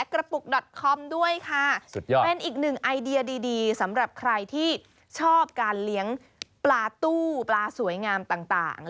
การเลี้ยงปลาตู้ปลาสวยงามต่าง